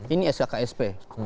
ini sk ksp